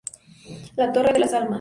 La torre de las almas.